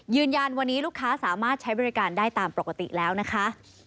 ยืนยันวันนี้ลูกค้าสามารถใช้บริการได้ตามปกติแล้วนะคะ